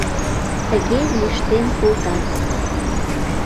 Тыге лиштен колтат.